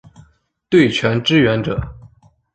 对拳支援者